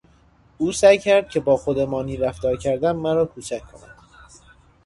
او سعی کرد که با خودمانی رفتار کردن مراکوچک کند.